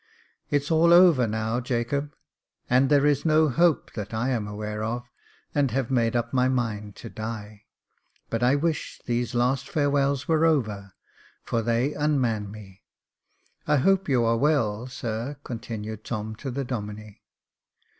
" It's all over now, Jacob ; and there is no hope, that I am aware of, and have made up my mind to die ; but I wish these last farewells were over, for they unman me. I hope you are well, sir," continued Tom, to the Domine.